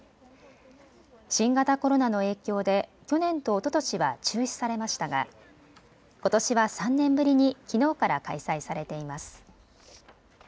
新型コロナの影響で、去年とおととしは中止されましたがことしは３年ぶりにきのうから開催されています。